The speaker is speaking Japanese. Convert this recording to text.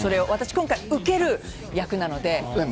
今回、受ける役なので。